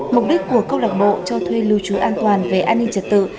mục đích của câu lạc bộ cho thuê lưu trú an toàn về an ninh trật tự